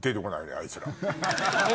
あいつら。